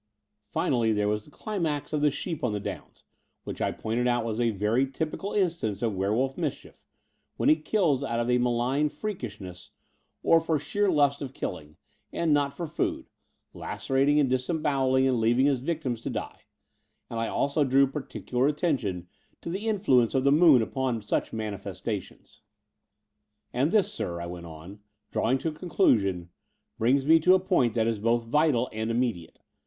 Finally, there was the climax of the sheep on the downs, which I pointed out was a very typical instance of werewolf mischief, when he kills out of malign freakishness, or for sheer lust of killing, and not for food, lacerating and disem bowelling and leaving his victims to die: and I also drew particular attention to the influence of the moon upon such manifestations. And this, sir," I went on, drawing to a con clusion, brings me to a point that is both vital and immediafe.